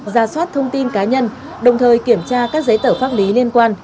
ra soát thông tin cá nhân đồng thời kiểm tra các giấy tờ pháp lý liên quan